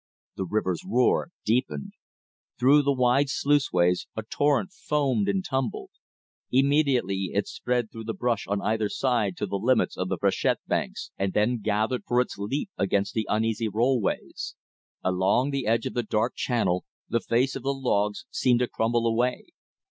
The river's roar deepened. Through the wide sluice ways a torrent foamed and tumbled. Immediately it spread through the brush on either side to the limits of the freshet banks, and then gathered for its leap against the uneasy rollways. Along the edge of the dark channel the face of the logs seemed to crumble away.